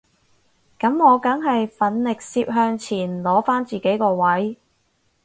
噉我梗係奮力攝向前攞返自己個位